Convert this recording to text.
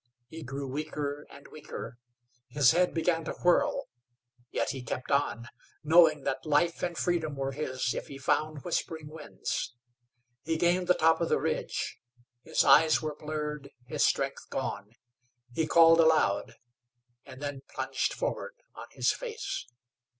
He grew weaker and weaker; his head began to whirl, yet he kept on, knowing that life and freedom were his if he found Whispering Winds. He gained the top of the ridge; his eyes were blurred, his strength gone. He called aloud, and then plunged forward on his face.